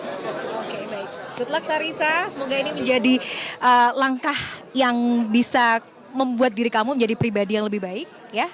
oke baik good luck tarisa semoga ini menjadi langkah yang bisa membuat diri kamu menjadi pribadi yang lebih baik